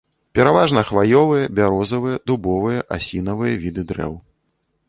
Пераважна хваёвыя, бярозавыя, дубовыя, асінавыя віды дрэў.